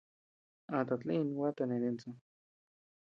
A tatlin gua taned insu.